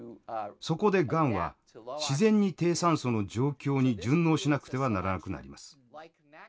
そこでがんは自然に低酸素の状況に順応しなくてはならなくなります。